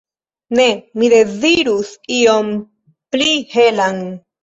Ne, mi dezirus ion pli helan.